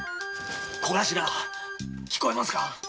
小頭聞こえますか？